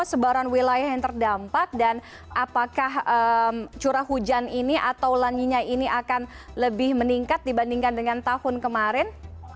sebaran wilayah yang terdampak dan apakah curah hujan ini atau langitnya ini akan lebih meningkat dibandingkan dengan tahun kemarin